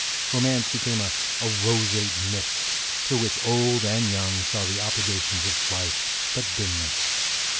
Romance became a roseate mist, through which old and young saw the obligations of life but dimly.